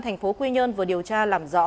thành phố quy nhơn vừa điều tra làm rõ